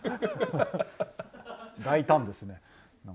大胆ですね！